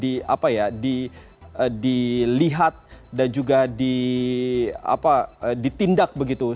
banyak celah tentunya yang harus di apa ya di lihat dan juga di apa ditindak begitu